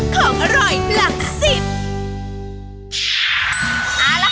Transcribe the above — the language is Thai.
ของอร่อยหลักสิบ